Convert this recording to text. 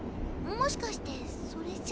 もしかしてそれじゃ。